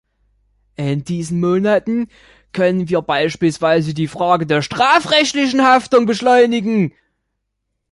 In diesen Monaten können wir beispielsweise die Frage der strafrechtlichen Haftung beschleunigen.